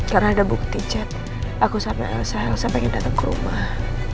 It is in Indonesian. karena ada bukti chat aku sama elsa elsa pengen datang ke rumah